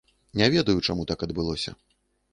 Не ведаю, чаму так адбылося.